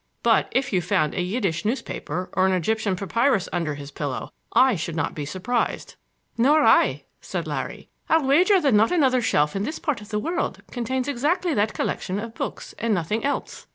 "But if you found a Yiddish newspaper or an Egyptian papyrus under his pillow I should not be surprised." "Nor I," said Larry. "I'll wager that not another shelf in this part of the world contains exactly that collection of books, and nothing else.